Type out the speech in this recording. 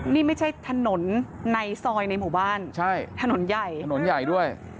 นี่ไม่ใช่ถนนในซอยในหมู่บ้านใช่ถนนใหญ่ถนนใหญ่ด้วย